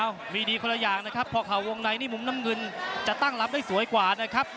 มีดีคนละอย่างนะครับพอเข่าวงในนี่มุมน้ำเงินจะตั้งรับได้สวยกว่านะครับ